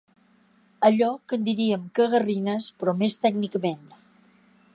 Allò que en diríem cagarrines, però més tècnicament.